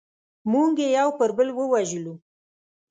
موږ یې یو پر بل ووژلو.